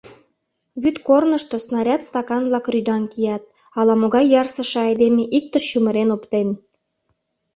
Вӱд корнышто снаряд стакан-влак рӱдаҥ кият, ала-могай ярсыше айдеме иктыш чумырен оптен.